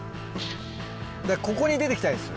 ここに出て来たいです。